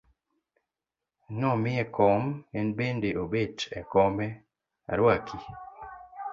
Nomiye kom en bende obet e kome, aruaki.